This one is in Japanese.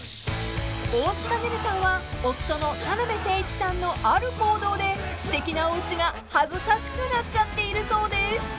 ［大塚寧々さんは夫の田辺誠一さんのある行動ですてきなおうちが恥ずかしくなっちゃっているそうです］